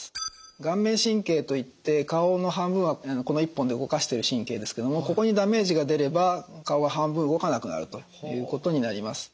顔面神経といって顔の半分はこの一本で動かしてる神経ですけどもここにダメージが出れば顔が半分動かなくなるということになります。